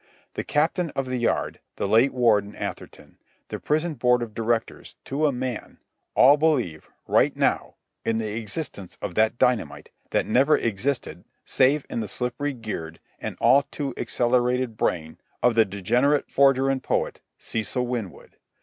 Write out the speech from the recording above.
The Captain of the Yard, the late Warden Atherton, the Prison Board of Directors to a man—all believe, right now, in the existence of that dynamite that never existed save in the slippery geared and all too accelerated brain of the degenerate forger and poet, Cecil Winwood.